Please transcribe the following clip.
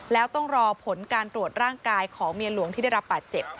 แล้วต้องรอผลการตรวจร่างกายของเมียหลวงที่ได้รับบาดเจ็บ